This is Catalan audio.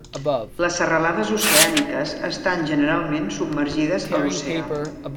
Les serralades oceàniques estan generalment submergides a l'oceà.